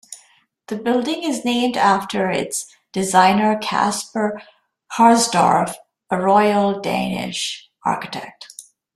The building is named after its designer Caspar Harsdorff, a royal Danish architect.